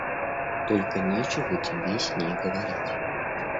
Только нечего тебе с ней говорить.